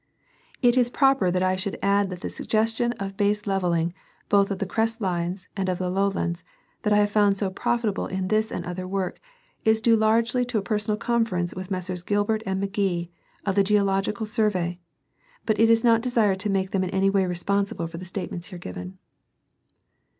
It is proper that I should 11 '^"'^^^^ tbat the suggestion of baselevel ling both of the crest lines and of the lowlands, that I have foiind so proiit sf: i|fl ^ ble in this and other work, is due largely to personal conference with Messrs. Gilbert and McGee of the Ge ological Survey ; but it is not desired to make them in any way responsible for the statements here given.